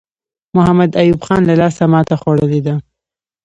محمد ایوب خان له لاسه ماته خوړلې ده.